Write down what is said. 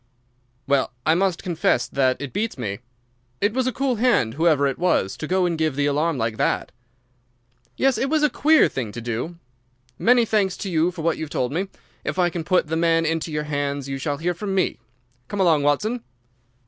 "Well, I must confess that it beats me. It was a cool hand, whoever it was, to go and give the alarm like that." "Yes, it was a queer thing to do. Many thanks to you for what you have told me. If I can put the man into your hands you shall hear from me. Come along, Watson."